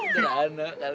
gak ada kali